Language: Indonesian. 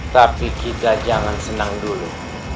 tapi kita jangan senang dulu